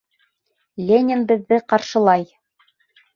Ленин беҙҙе ҡаршылай!